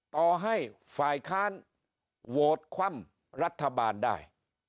ต่อให้ฝ่ายค้านโหวตคว่ำรัฐบาลได้